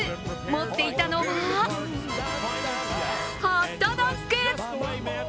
持っていたのはホットドッグ！